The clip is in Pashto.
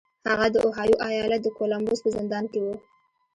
هغه د اوهايو ايالت د کولمبوس په زندان کې و.